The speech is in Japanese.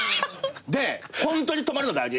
でホントに止まるの大事。